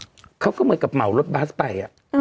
ก็เค้าก็เหมือนกับเหมาบัสไป